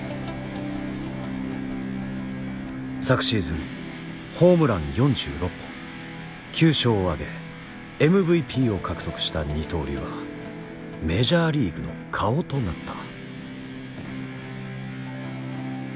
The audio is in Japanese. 昨シーズンホームラン４６本９勝をあげＭＶＰを獲得した二刀流はメジャーリーグの顔となった。